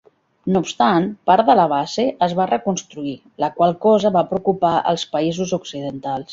No obstant, part de la base es va reconstruir, la qual cosa va preocupar els països occidentals.